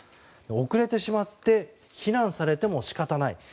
遅れてしまって非難されても仕方ない。